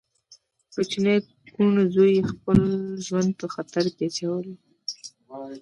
کوچني کوڼ زوی يې خپل ژوند په خطر کې اچولی.